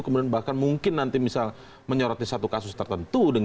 kemudian bahkan mungkin nanti misal menyoroti satu kasus tertentu